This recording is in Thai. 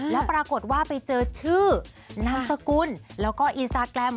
แล้วปรากฏว่าไปเจอชื่อนามสกุลแล้วก็อินสตาแกรม